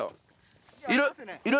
いる！